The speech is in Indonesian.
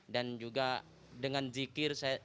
dan juga dengan zikir saya